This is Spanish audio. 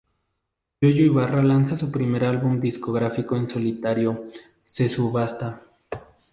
Yoyo Ibarra lanza su primer álbum discográfico en solitario Se Subasta.